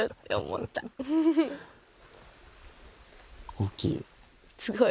大きい？